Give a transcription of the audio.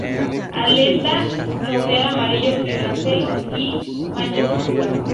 Aleta caudal amarillo violáceo y manchas oscuras.